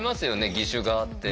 義手があって。